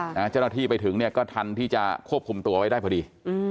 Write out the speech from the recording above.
เจ้าหน้าที่ไปถึงเนี่ยก็ทันที่จะควบคุมตัวไว้ได้พอดี